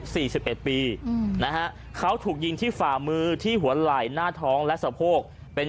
สิบเอ็ดปีอืมนะฮะเขาถูกยิงที่ฝ่ามือที่หัวไหล่หน้าท้องและสะโพกเป็น